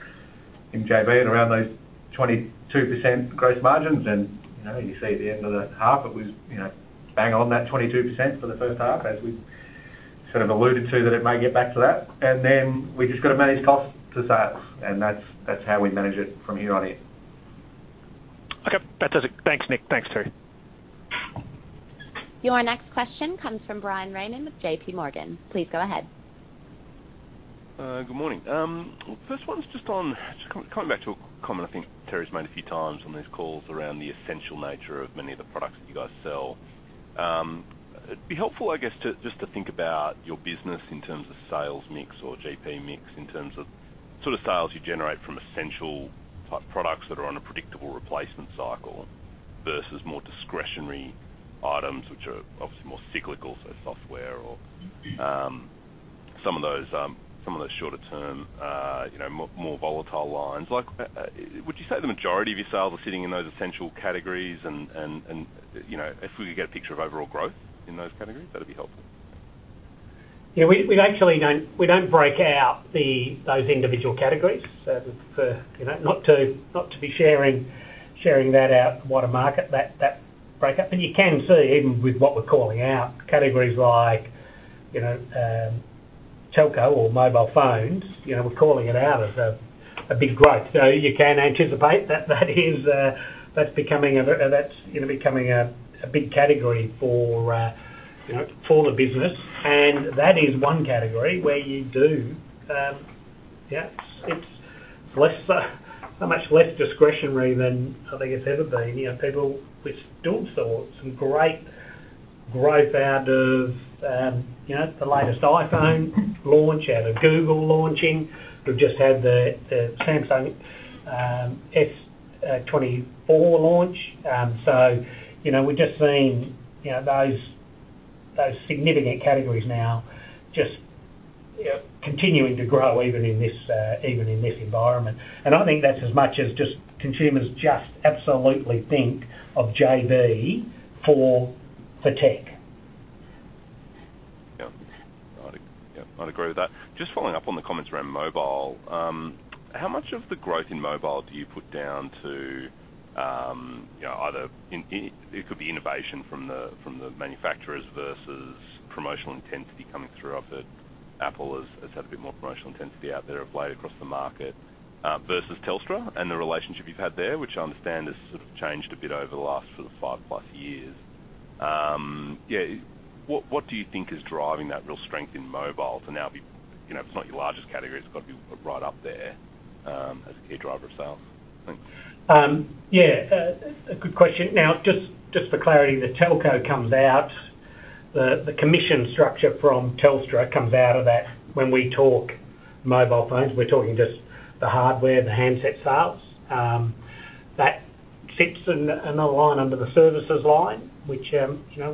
in JB and around those 22% gross margins. And you see at the end of the half, it was bang on that 22% for the first half, as we sort of alluded to, that it may get back to that. And then we've just got to manage costs to sales. And that's how we manage it from here on in.
Okay. That does it. Thanks, Nick. Thanks, Terry.
Your next question comes from Bryan Raymond with JPMorgan. Please go ahead.
Good morning. Well, first one's just on coming back to a comment I think Terry's made a few times on these calls around the essential nature of many of the products that you guys sell. It'd be helpful, I guess, just to think about your business in terms of sales mix or GP mix, in terms of sort of sales you generate from essential-type products that are on a predictable replacement cycle versus more discretionary items, which are obviously more cyclical, so software or some of those shorter-term, more volatile lines. Would you say the majority of your sales are sitting in those essential categories? And if we could get a picture of overall growth in those categories, that'd be helpful.
Yeah. We don't break out those individual categories, not to be sharing that out wide to market, that breakup. But you can see, even with what we're calling out, categories like telco or mobile phones, we're calling it out as a big growth. So you can anticipate that that's becoming a that's becoming a big category for the business. And that is one category where you do, yeah. It's so much less discretionary than, I guess, ever been. Phones, which still saw some great growth out of the latest iPhone launch, out of Google launching. We've just had the Samsung S24 launch. So we're just seeing those significant categories now just continuing to grow even in this environment. And I think that's as much as just consumers just absolutely think of JB for tech.
Yeah. I'd agree with that. Just following up on the comments around mobile, how much of the growth in mobile do you put down to either it could be innovation from the manufacturers versus promotional intensity coming through? I've heard Apple has had a bit more promotional intensity out there of late across the market versus Telstra and the relationship you've had there, which I understand has sort of changed a bit over the last sort of five-plus years. Yeah. What do you think is driving that real strength in mobile to now be if it's not your largest category, it's got to be right up there as a key driver of sales, I think?
Yeah. Good question. Now, just for clarity, the telco comes out. The commission structure from Telstra comes out of that when we talk mobile phones. We're talking just the hardware, the handset sales. That sits in a line under the services line, which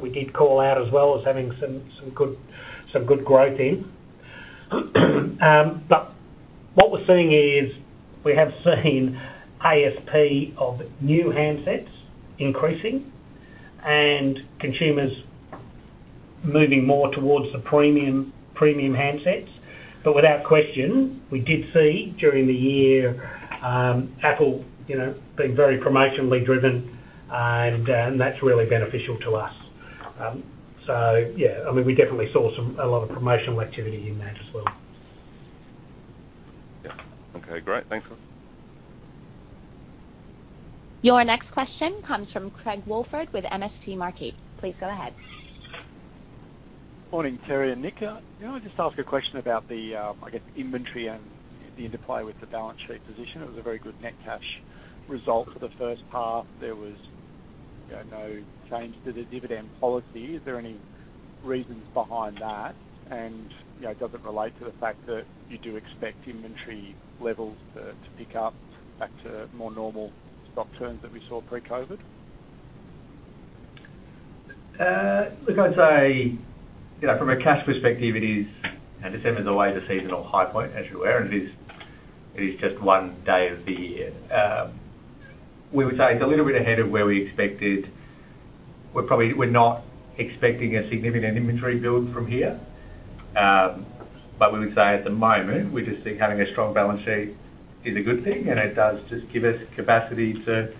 we did call out as well as having some good growth in. But what we're seeing is we have seen ASP of new handsets increasing and consumers moving more towards the premium handsets. But without question, we did see during the year Apple being very promotionally driven, and that's really beneficial to us. So yeah. I mean, we definitely saw a lot of promotional activity in that as well.
Yeah. Okay. Great. Thanks.
Your next question comes from Craig Woolford with MST Marquee. Please go ahead.
Morning, Terry. And Nick, I just asked a question about the, I guess, inventory and the interplay with the balance sheet position. It was a very good net cash result for the first half. There was no change to the dividend policy. Is there any reasons behind that? And does it relate to the fact that you do expect inventory levels to pick up back to more normal stock turns that we saw pre-COVID?
Look, I'd say from a cash perspective, December's a way to seasonal high point, as you were. And it is just one day of the year. We would say it's a little bit ahead of where we expected. We're not expecting a significant inventory build from here. But we would say at the moment, we just think having a strong balance sheet is a good thing. And it does just give us capacity to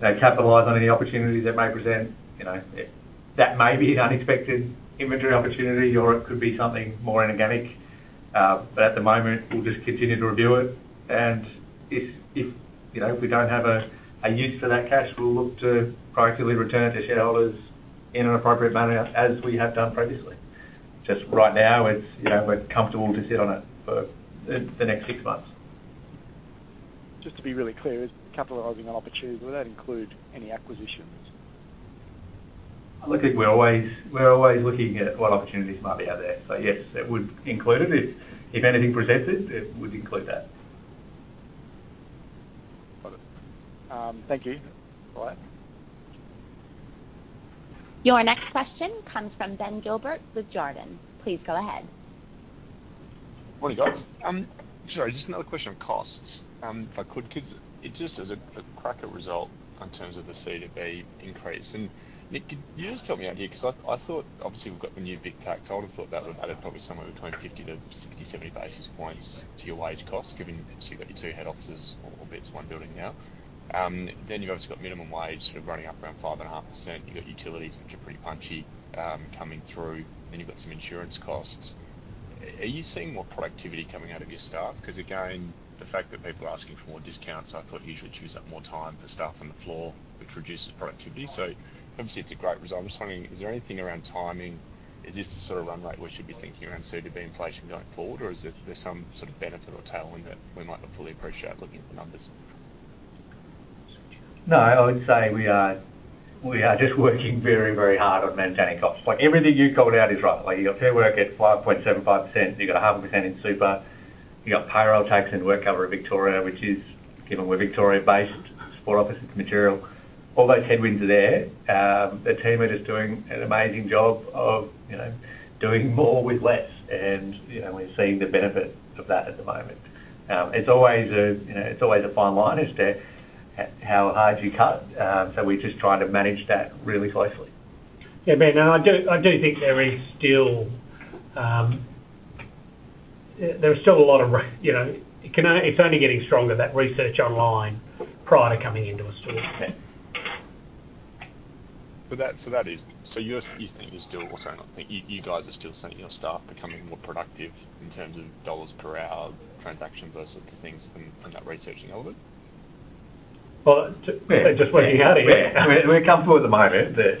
capitalize on any opportunities that may present. That may be an unexpected inventory opportunity, or it could be something more inorganic. But at the moment, we'll just continue to review it. And if we don't have a use for that cash, we'll look to proactively return it to shareholders in an appropriate manner as we have done previously. Just right now, we're comfortable to sit on it for the next six months.
Just to be really clear, capitalizing on opportunities, would that include any acquisitions?
Look, we're always looking at what opportunities might be out there. So yes, it would include it. If anything presents it, it would include that.
Got it. Thank you. All right.
Your next question comes from Ben Gilbert with Jarden. Please go ahead.
Morning, guys. Sorry. Just another question on costs, if I could, because it just is a cracker result in terms of the CODB increase. Nick, could you just tell me out here? Because I thought, obviously, we've got the new big tax. I would have thought that would added probably somewhere between 50 to 60, 70 basis points to your wage costs, given obviously you've got your two head offices are in one building now. Then you've obviously got minimum wage sort of running up around 5.5%. You've got utilities, which are pretty punchy coming through. Then you've got some insurance costs. Are you seeing more productivity coming out of your staff? Because again, the fact that people are asking for more discounts, I thought, usually chews up more time for staff on the floor, which reduces productivity. So obviously, it's a great result. I'm just wondering, is there anything around timing? Is this the sort of run rate we should be thinking around CODB inflation going forward? Or is there some sort of benefit or tailwind that we might not fully appreciate looking at the numbers?
No. I would say we are just working very, very hard on maintaining costs. Everything you called out is right. You've got pay award at 5.75%. You've got 100% in super. You've got payroll tax and work cover at Victoria, which is material given we're Victoria-based support office. All those headwinds are there. The team is doing an amazing job of doing more with less. And we're seeing the benefit of that at the moment. It's always a fine line as to how hard you cut. So we're just trying to manage that really closely.
Yeah. I mean, and I do think there is still a lot of it. It's only getting stronger, that research online prior to coming into a store.
So, you think you guys are still seeing your staff becoming more productive in terms of dollars per hour, transactions, those sorts of things, and that researching element?
Well, just working out here. We're comfortable at the moment that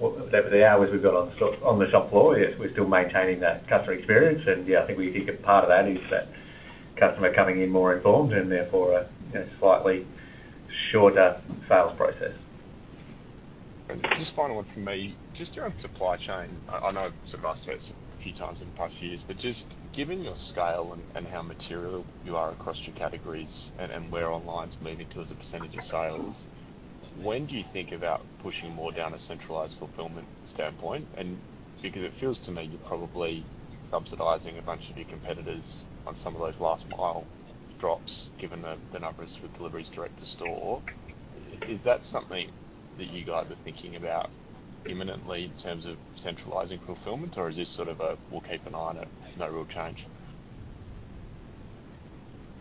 with the hours we've got on the shop floor, yes, we're still maintaining that customer experience. Yeah, I think we think a part of that is that customer coming in more informed and therefore a slightly shorter sales process.
Just final one from me. Just around supply chain, I know I've sort of asked about this a few times in the past few years, but just given your scale and how material you are across your categories and where online's moving to as a percentage of sales, when do you think about pushing more down a centralized fulfillment standpoint? And because it feels to me you're probably subsidizing a bunch of your competitors on some of those last-mile drops, given the numbers with deliveries direct to store. Is that something that you guys are thinking about imminently in terms of centralizing fulfillment? Or is this sort of a, "We'll keep an eye on it, no real change"?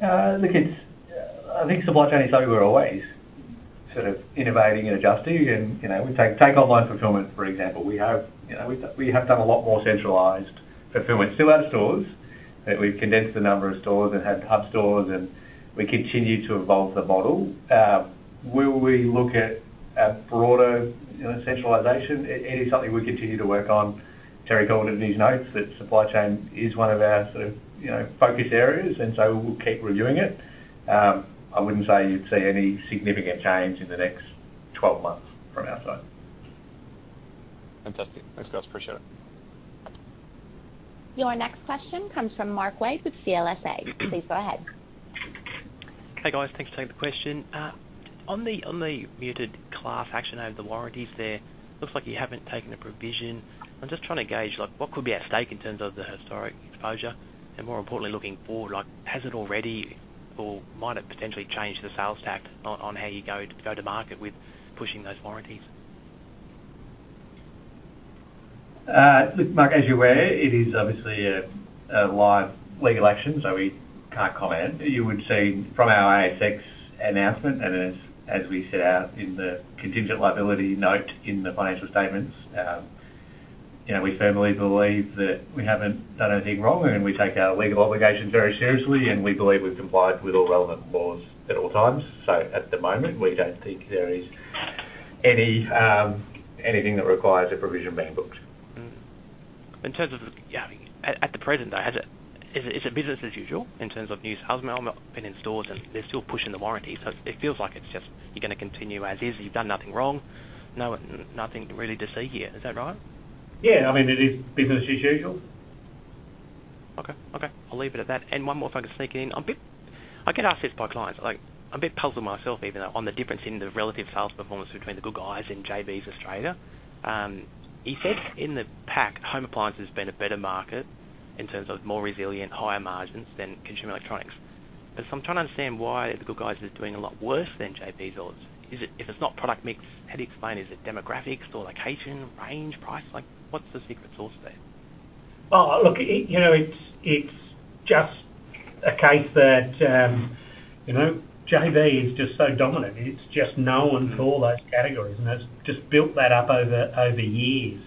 Look, I think supply chain is overall way sort of innovating and adjusting. And we take online fulfillment, for example. We have done a lot more centralized fulfillment still out of stores. We've condensed the number of stores and had hub stores. And we continue to evolve the model. Will we look at a broader centralization? It is something we continue to work on. Terry called it in his notes that supply chain is one of our sort of focus areas. And so we'll keep reviewing it. I wouldn't say you'd see any significant change in the next 12 months from our side.
Fantastic. Thanks, guys. Appreciate it.
Your next question comes from Mark Wade with CLSA. Please go ahead.
Hey, guys. Thanks for taking the question. On the ongoing class action over the warranties there, it looks like you haven't taken a provision. I'm just trying to gauge what could be at stake in terms of the historical exposure and, more importantly, looking forward, has it already or might it potentially change the sales tactics on how you go to market with pushing those warranties?
Look, Mark, as you were, it is obviously a live legal action. So we can't comment. You would see from our ASX announcement and as we set out in the contingent liability note in the financial statements, we firmly believe that we haven't done anything wrong. And we take our legal obligations very seriously. And we believe we've complied with all relevant laws at all times. So at the moment, we don't think there is anything that requires a provision being booked.
In terms of, yeah. I mean, at the present day, is it business as usual in terms of new salesmen being in stores and they're still pushing the warranties? So it feels like it's just you're going to continue as is. You've done nothing wrong. Nothing really to see here. Is that right?
Yeah. I mean, it is business as usual.
Okay. Okay. I'll leave it at that. And one more thing I'm going to sneak in. I can't ask this by clients. I'm a bit puzzled myself, even though, on the difference in the relative sales performance between The Good Guys and JB's Australia. He said in the pack, home appliances have been a better market in terms of more resilient, higher margins than consumer electronics. But I'm trying to understand why The Good Guys are doing a lot worse than JB's or if it's not product mix, how do you explain? Is it demographics, store location, range, price? What's the secret sauce there?
Oh, look, it's just a case that JB is just so dominant. It's just known for those categories. And it's just built that up over years.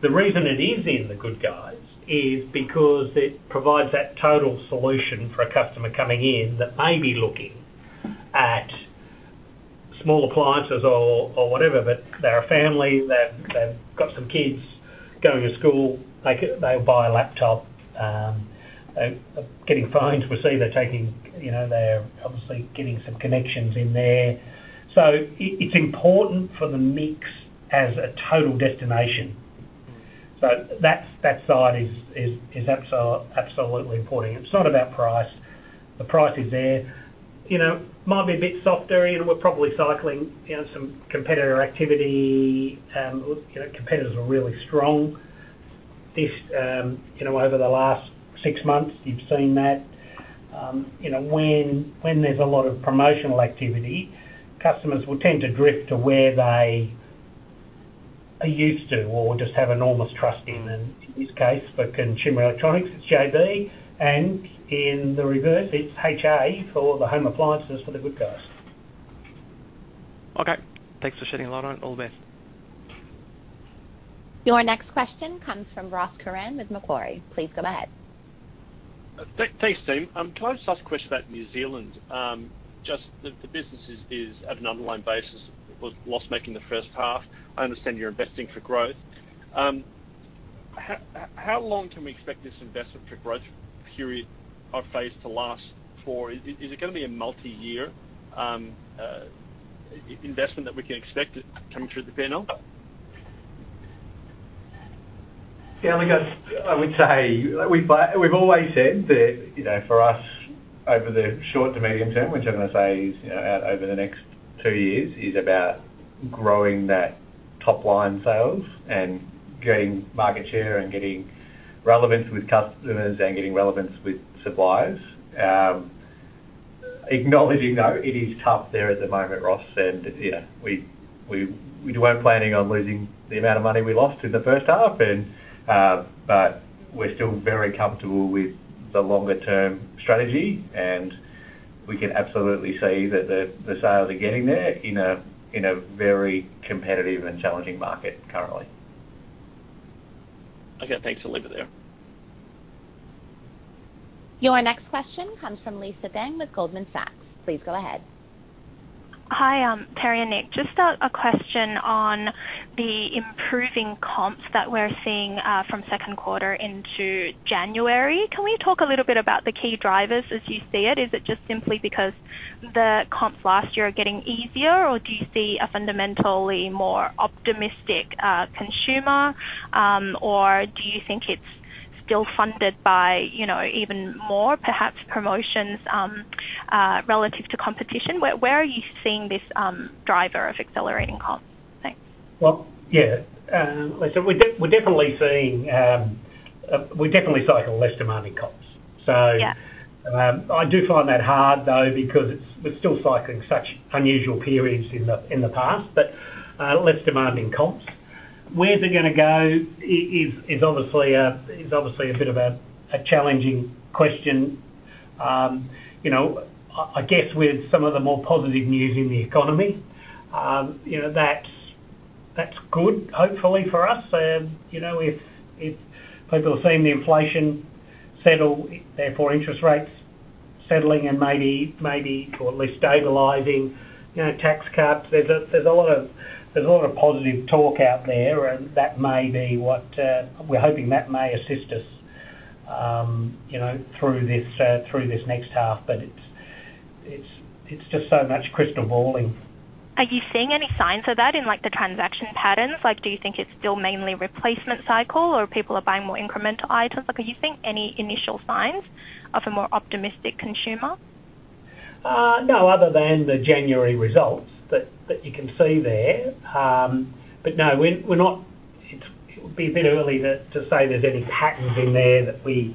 The reason it is in The Good Guys is because it provides that total solution for a customer coming in that may be looking at small appliances or whatever. But they're a family. They've got some kids going to school. They'll buy a laptop. Getting phones. We'll see they're taking. They're obviously getting some connections in there. So it's important for the mix as a total destination. So that side is absolutely important. It's not about price. The price is there. Might be a bit softer. We're probably cycling some competitor activity. Competitors are really strong over the last six months. You've seen that. When there's a lot of promotional activity, customers will tend to drift to where they are used to or just have enormous trust in. And in this case, for consumer electronics, it's JB. And in the reverse, it's HA for the home appliances for The Good Guys.
Okay. Thanks for shedding a light on it. All the best.
Your next question comes from Ross Curran with Macquarie. Please go ahead.
Thanks, team. Can I just ask a question about New Zealand? Just the business is at an underlying basis of loss-making the first half. I understand you're investing for growth. How long can we expect this investment for growth phase to last for? Is it going to be a multi-year investment that we can expect coming through the P&L?
Yeah. Look, I would say we've always said that for us, over the short to medium term, which I'm going to say is out over the next two years, is about growing that top-line sales and getting market share and getting relevance with customers and getting relevance with suppliers. Acknowledging, though, it is tough there at the moment, Ross. And yeah, we weren't planning on losing the amount of money we lost in the first half. But we're still very comfortable with the longer-term strategy. And we can absolutely see that the sales are getting there in a very competitive and challenging market currently.
Okay. Thanks for leaving it there.
Your next question comes from Lisa Deng with Goldman Sachs. Please go ahead.
Hi, Terry and Nick. Just a question on the improving comps that we're seeing from second quarter into January. Can we talk a little bit about the key drivers as you see it? Is it just simply because the comps last year are getting easier? Or do you see a fundamentally more optimistic consumer? Or do you think it's still funded by even more, perhaps, promotions relative to competition? Where are you seeing this driver of accelerating comps? Thanks.
Well, yeah. So we're definitely seeing, we definitely cycle less-demanding comps. So I do find that hard, though, because we're still cycling such unusual periods in the past, but less-demanding comps. Where's it going to go is obviously a bit of a challenging question. I guess with some of the more positive news in the economy, that's good, hopefully, for us. If people are seeing the inflation settle, therefore interest rates settling and maybe or at least stabilizing tax cuts, there's a lot of positive talk out there. And that may be what we're hoping may assist us through this next half. But it's just so much crystal balling.
Are you seeing any signs of that in the transaction patterns? Do you think it's still mainly replacement cycle? Or people are buying more incremental items? Are you seeing any initial signs of a more optimistic consumer?
No, other than the January results that you can see there. But no, we're not. It would be a bit early to say there's any patterns in there that we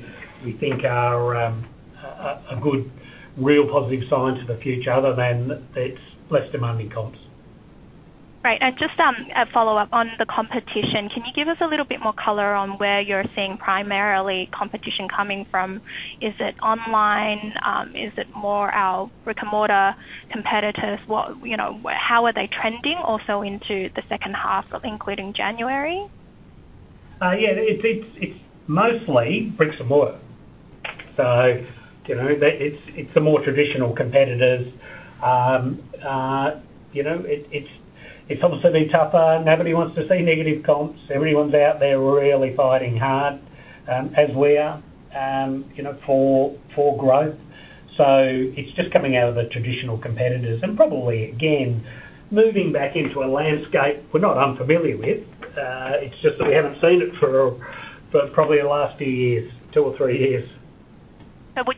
think are a good, real positive sign to the future other than it's less-demanding comps.
Right. And just a follow-up on the competition, can you give us a little bit more color on where you're seeing primarily competition coming from? Is it online? Is it more our brick-and-mortar competitors? How are they trending also into the second half, including January?
Yeah. It's mostly brick-and-mortar. So it's the more traditional competitors. It's obviously been tougher. Nobody wants to see negative comps. Everyone's out there really fighting hard, as we are, for growth. So it's just coming out of the traditional competitors. And probably, again, moving back into a landscape we're not unfamiliar with. It's just that we haven't seen it for probably the last few years, two or three years.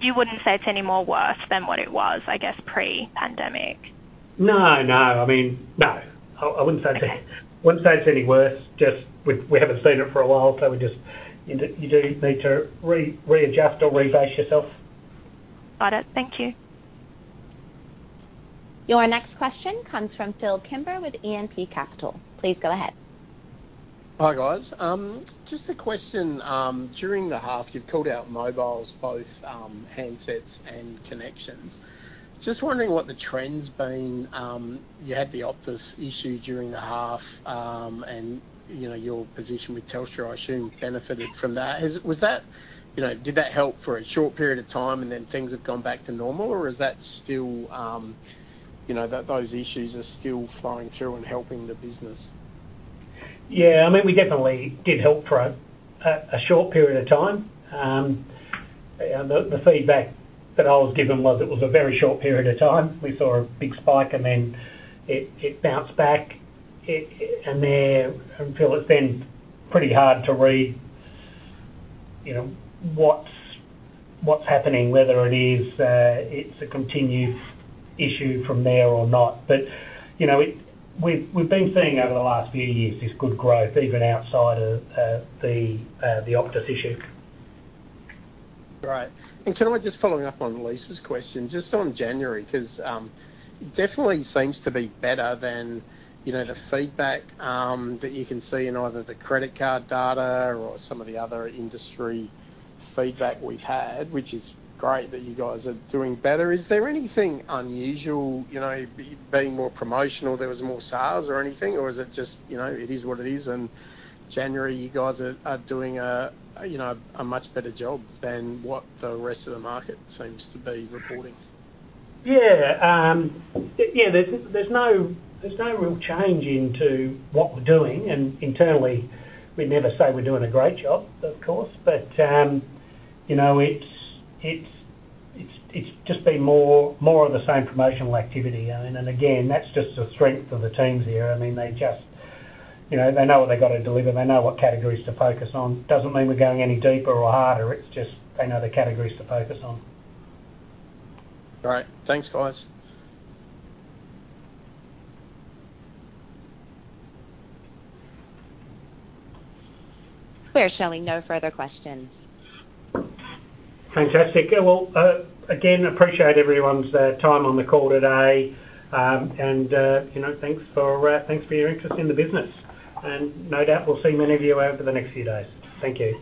You wouldn't say it's any more worse than what it was, I guess, pre-pandemic?
No. No. I mean, no. I wouldn't say it's any worse. Just we haven't seen it for a while. So you do need to readjust or rebase yourself.
Got it. Thank you.
Your next question comes from Phil Kimber with E&P Capital. Please go ahead.
Hi, guys. Just a question. During the half, you've called out mobiles, both handsets and connections. Just wondering what the trend's been. You had the Optus issue during the half. And your position with Telstra, I assume, benefited from that. Did that help for a short period of time? And then things have gone back to normal? Or is that still those issues are still flowing through and helping the business?
Yeah. I mean, we definitely did help for a short period of time. The feedback that I was given was, it was a very short period of time. We saw a big spike. And then it bounced back. And till then it's pretty hard to read what's happening, whether it is, it's a continued issue from there or not. But we've been seeing over the last few years this good growth, even outside of the Optus issue.
Right. Kind of just following up on Lisa's question, just on January, because it definitely seems to be better than the feedback that you can see in either the credit card data or some of the other industry feedback we've had, which is great that you guys are doing better. Is there anything unusual, being more promotional? There was more sales or anything? Or is it just it is what it is? January, you guys are doing a much better job than what the rest of the market seems to be reporting?
Yeah. Yeah. There's no real change in what we're doing. And internally, we never say we're doing a great job, of course. But it's just been more of the same promotional activity. And again, that's just a strength of the teams here. I mean, they just know what they've got to deliver. They know what categories to focus on. Doesn't mean we're going any deeper or harder. It's just they know the categories to focus on.
Right. Thanks, guys.
We're showing no further questions.
Fantastic. Well, again, appreciate everyone's time on the call today. And thanks for your interest in the business. And no doubt, we'll see many of you over the next few days. Thank you.